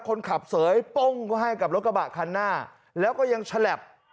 คนขับเสยโป้งไว้ให้กับรถกระบะคันหน้าแล้วก็ยังฉลับ